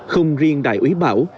không riêng đại úy bảo